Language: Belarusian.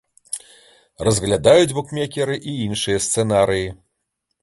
Разглядаюць букмекеры і іншыя сцэнарыі.